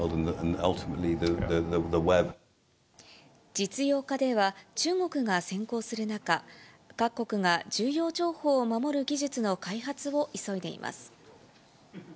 実用化では、中国が先行する中、各国が重要情報を守る技術の開発を急いでいます。